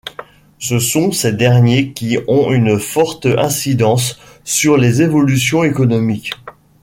Ce sont ces derniers qui ont une forte incidence sur les évolutions économiques.